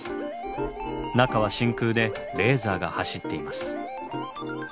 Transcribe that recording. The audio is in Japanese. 中は真空でレーザーが走っています。